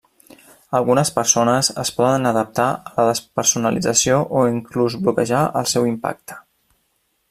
Algunes persones es poden adaptar a la despersonalització o inclús bloquejar el seu impacte.